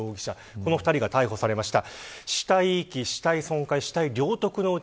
この２人が逮捕されました。